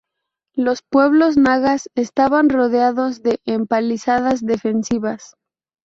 Los pueblos nagas estaban rodeados de empalizadas defensivas.